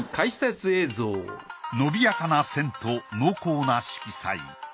伸びやかな線と濃厚な色彩。